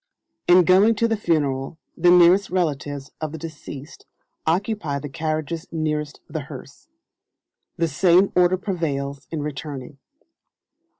In going to the Funeral the nearest relatives of the deceased occupy the carriages nearest the hearse. The same order prevails in returning.